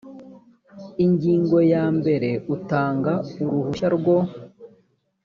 ingingo ya mbere utanga uruhushya rwo